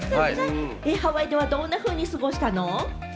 ハワイではどんなふうに過ごしたの？